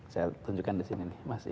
saya tunjukkan di sini